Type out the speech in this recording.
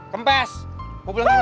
kempes lo pulang kemana